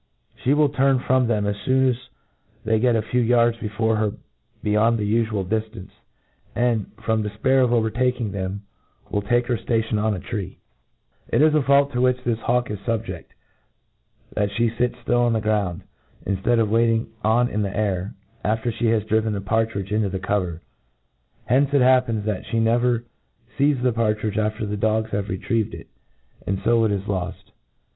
She will turn from them as foon as they get a few yards before her beyond the ufual diftance, and, from defpair of overtaking themt will take her ftation on a tree. 224 A TREATISE OP It is a fault to which thi» baiwk i» fubjedf^ that ibe fits (tiU on the ground^ inftead of waking on in the air, after flic has driven a partridge iaito the cover. Hence it hap);>^f)i$., that flie ndvef fe*6 the partridge after the dogs have retrieved il ; »>d fo it k loft.